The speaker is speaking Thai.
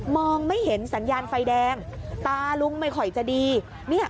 มองไม่เห็นสัญญาณไฟแดงตาลุงไม่ค่อยจะดี